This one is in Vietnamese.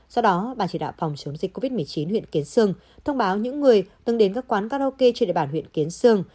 do đó ban chỉ đạo phòng chống dịch covid một mươi chín huyện kiến sương thông báo những người từng đến các quán karaoke trên địa bàn huyện kiến sương